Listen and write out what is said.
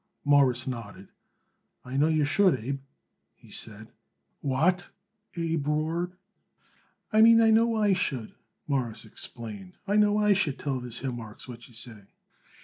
Morris nodded. "I know you should, Abe," he said. "What!" Abe roared. "I mean I know I should," Morris explained; "I know I should tell this here Marks what you say."